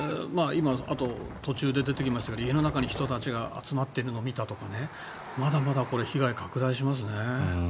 途中で出てきましたが家の中に人が集まっているのを見たとかまだまだこれ被害拡大しますね。